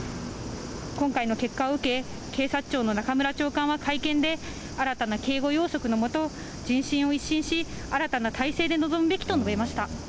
今回の結果を受け、警察庁の中村長官は会見で、新たな警護要則の下、人身を一新し、新たな体制で臨むべきと述べました。